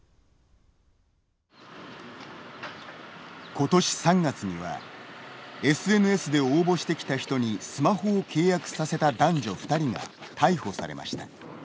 今年３月にはＳＮＳで応募してきた人にスマホを契約させた男女２人が逮捕されました。